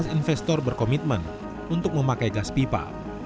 dua belas investor berkomitmen untuk memakai gas pipa